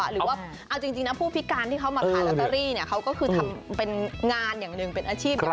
หรือว่าเอาจริงนะผู้พิการที่เขามาขายลอตเตอรี่เขาก็คือทำเป็นงานอย่างหนึ่งเป็นอาชีพอย่าง